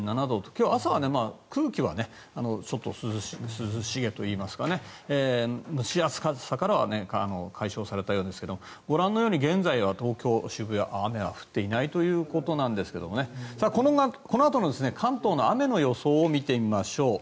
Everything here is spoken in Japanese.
今日の朝は空気はちょっと涼しげといいますか蒸し暑さからは解消されたようですがご覧のように現在は東京・渋谷雨は降っていないということですがこのあとの関東の雨の予想を見てみましょう。